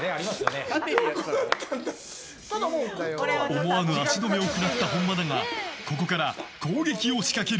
思わぬ足止めを食らった本間だがここから攻撃を仕掛ける。